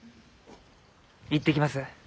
行ってきます。